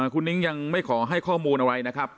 คุณนิ้งยังไม่ขอให้ข้อมูลอะไรนะครับ